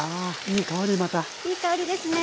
いい香りですね。